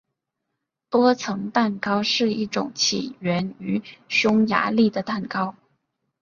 多层蛋糕是一种起源于匈牙利的蛋糕。